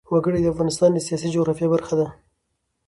وګړي د افغانستان د سیاسي جغرافیه برخه ده.